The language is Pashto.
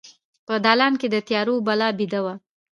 په دالان کې د تیارو بلا بیده وه